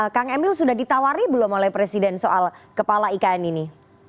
kang emil sudah ditawari belum oleh presiden soal kepala ikn ini